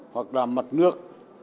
hoặc là mặt nước